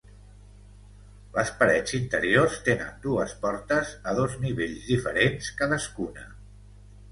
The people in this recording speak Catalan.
Les parets interiors tenen dues portes a dos nivells diferents cadascuna.